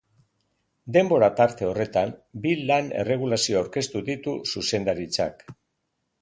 Denbora tarte horretan bi lan-erregulazio aurkeztu ditu zuzendaritzak.